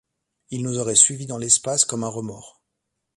il nous aurait suivis dans l’espace comme un remords !